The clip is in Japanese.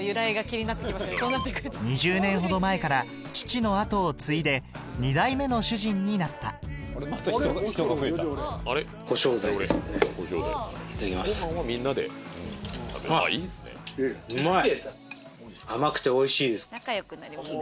２０年ほど前から父の後を継いで２代目の主人になったあっうまい！